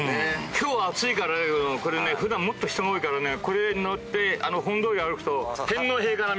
今日暑いからあれだけど普段もっと人が多いからねこれ乗って本通り歩くと天皇陛下並みよ。